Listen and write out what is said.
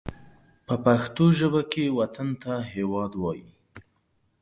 په پښتو ژبه کې وطن ته هېواد وايي